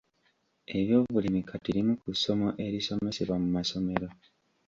Ebyobulimi kati limu ku ssomo erisomesebwa mu masomero.